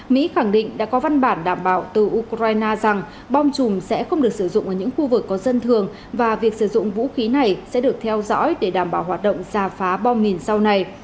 mỹ khẳng định đã có văn bản đảm bảo từ ukraine rằng bom chùm sẽ không được sử dụng ở những khu vực có dân thường và việc sử dụng vũ khí này sẽ được theo dõi để đảm bảo hoạt động giả phá bom mìn sau này